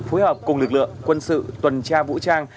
phối hợp cùng lực lượng quân sự tuần tra vũ trang